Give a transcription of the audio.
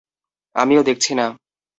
আমিও দেখছি না।